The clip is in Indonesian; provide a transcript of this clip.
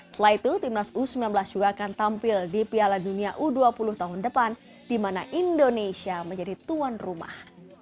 setelah itu timnas u sembilan belas juga akan tampil di piala dunia u dua puluh tahun depan di mana indonesia menjadi tuan rumah